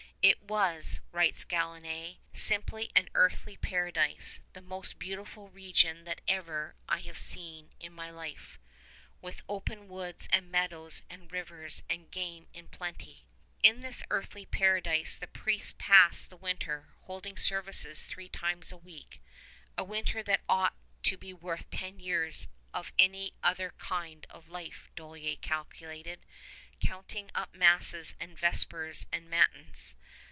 "It was," writes Galinée, "simply an Earthly Paradise, the most beautiful region that ever I have seen in my life, with open woods and meadows and rivers and game in plenty." In this Earthly Paradise the priests passed the winter, holding services three times a week "a winter that ought to be worth ten years of any other kind of life" Dollier calculated, counting up masses and vespers and matins.